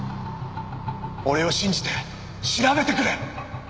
俺を信じて調べてくれ！